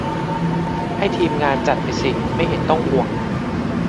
ให้ ทีมงาน จัดไปสิ ไม่เห็นต้องห่วง